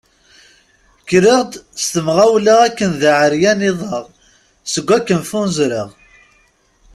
Kkreɣ-d s tɣawla akken d aεeryan iḍ-a seg akken ffunzreɣ.